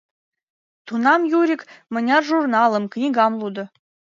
Тунам Юрик мыняр журналым, книгам лудо!